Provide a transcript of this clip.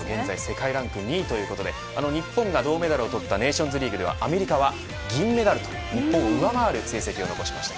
世界ランク２位ということで日本が銅メダルを取ったネーションズリーグではアメリカは銀メダルと日本を上回る成績を残しました。